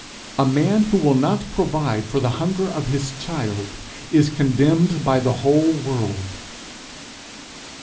A man who will not provide for the hunger of his child, is condemned by the whole world.